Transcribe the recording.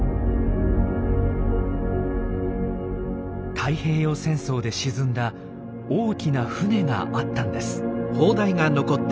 太平洋戦争で沈んだ大きな船があったんです。